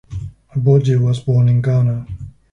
Aboagye was born in Ghana.